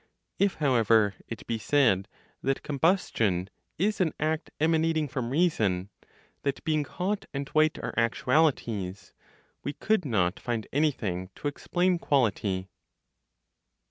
If, however, it be said that combustion is an act emanating from reason, that being hot and white are actualities, we could not find anything to explain quality.